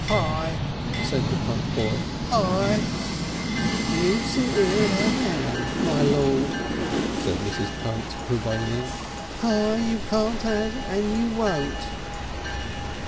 "Pie," said the Punt boy, "Pie!" "You sit 'ere and 'ave 'am, my lord!" said Mrs. Punt, prevailing. "Pie you can't 'ave and you won't."